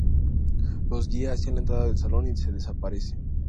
Los guía hacia la entrada del salón, y desaparece.